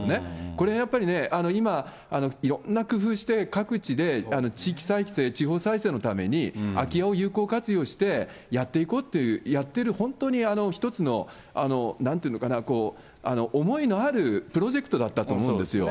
これやっぱりね、今、いろんな工夫して、各地で地域再生、地方再生のために空き家を有効活用してやっていこうという、やってる、本当の一つのなんというのかな、思いのあるプロジェクトだったと思うんですよ。